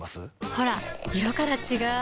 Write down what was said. ほら色から違う！